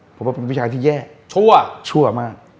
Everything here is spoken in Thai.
ผมว่าเป็นผู้ชายที่แย่ชั่วชั่วมาก